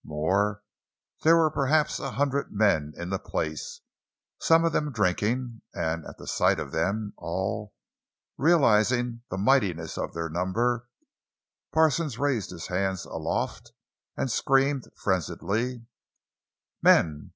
More, there were perhaps a hundred men in the place—some of them drinking; and at the sight of them all, realizing the mightiness of their number, Parsons raised his hands aloft and screamed frenziedly: "Men!